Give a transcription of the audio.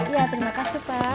ya terima kasih pak